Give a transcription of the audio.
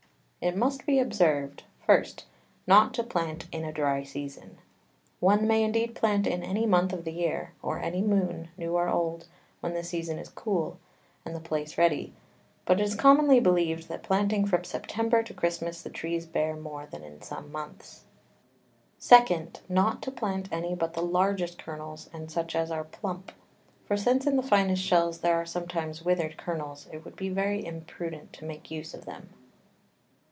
It must be observed, 1. Not to plant in a dry Season. One may indeed plant in any Month of the Year, or any Moon, new or old, when the Season is cool, and the Place ready; but it is commonly believed, that planting from September to Christmas, the Trees bear more than in some Months. 2. Not to plant any but the largest Kernels, and such as are plump: For since in the finest Shells there are sometimes withered Kernels, it would be very imprudent to make use of them.